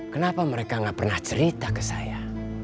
kenapa mereka gak pernah cerita ke saya